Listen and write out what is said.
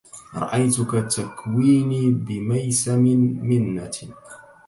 رأيتك تكويني بميسم منة